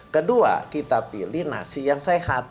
kedua kita pilih nasi yang sehat